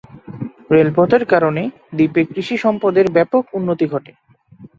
রেলপথের কারণে দ্বীপের কৃষি সম্পদের ব্যাপক উন্নতি ঘটে।